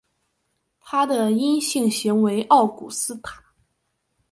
它的阴性型为奥古斯塔。